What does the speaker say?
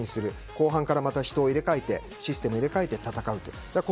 後半は人を入れ替えてシステムを入れ替えて戦うと。